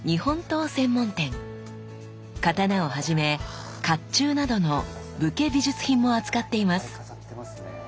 刀をはじめ甲冑などの武家美術品も扱っています。